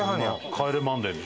『帰れマンデー』に。